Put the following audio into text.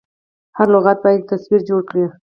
هر لغت باید یو تصویر جوړ کړي.